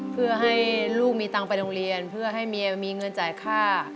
เพื่อให้ลูกมีตังค์ไปโรงเรียนเพื่อให้เมียมีเงินจ่ายค่า